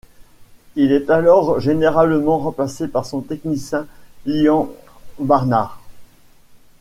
Il est alors généralement remplacé par son technicien Ian Barnard.